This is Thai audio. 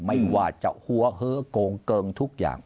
ไม่ว่าจะหัวเฮ้อโกงเกิงทุกอย่าง